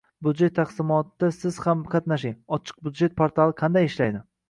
Budjet taqsimotida siz ham qatnashing. “Ochiq budjet” portali qanday ishlaydi?